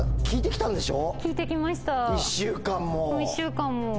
１週間も。